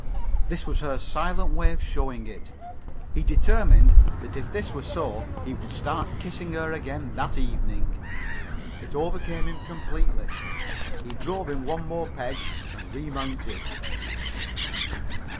This was her silent way of showing it. He determined that if this were so he would start kissing her again that evening. It overcame him completely. He drove in one more peg, and re mounted.